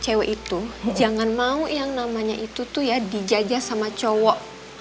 cewek itu jangan mau yang namanya itu tuh ya dijajah sama cowok